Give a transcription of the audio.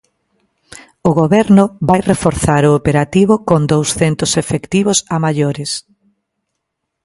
O Goberno vai reforzar o operativo con douscentos efectivos a maiores.